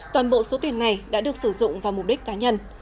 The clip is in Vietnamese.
toàn bộ số tiền này đã được sử dụng vào mục đích cá nhân